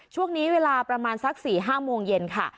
ช่วงเวลาประมาณสัก๔๕โมงเย็นค่ะ